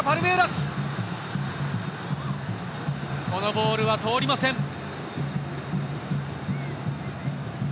このボールは通りません。